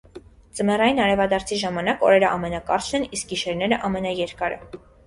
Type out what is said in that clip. Ձմեռային արևադարձի ժամանակ օրերը ամենակարճն են, իսկ գիշերները ամենաերկարը։